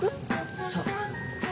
そう。